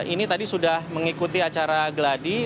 ini tadi sudah mengikuti acara geladi